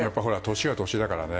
年が年だからね。